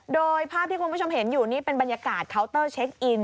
โดยภาพที่คุณผู้ชมเห็นอยู่นี่เป็นบรรยากาศเคาน์เตอร์เช็คอิน